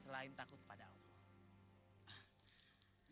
selain takut pada allah